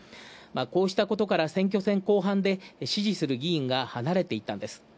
こうしたことから、選挙戦で支持する議員が離れていったんです。